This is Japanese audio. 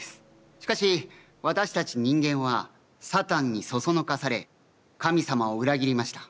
しかし私たち人間はサタンに唆され神様を裏切りました。